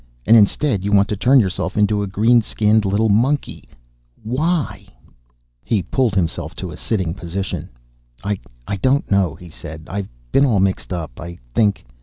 And instead you want to turn yourself into a green skinned little monkey! Why?" He pulled himself to a sitting position. "I don't know," he said. "I've been all mixed up, I think."